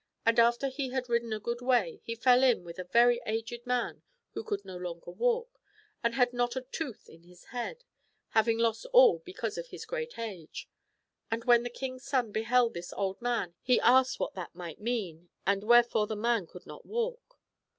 And after he had ridden a good way he fell in with a very aged man who could no longer walk, and had not a tooth in his head, having lost all because of his great age. And when the king's son beheld this old man he asked what that might mean, and wherefore the man could not walk